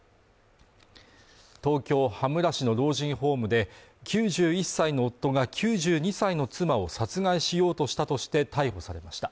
東京羽村市の老人ホームで、９１歳の夫が９２歳の妻を殺害しようとしたとして逮捕されました。